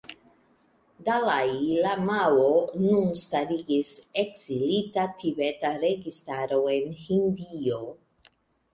Dalai Lamao nun starigis Ekzilita tibeta registaro en Hindio.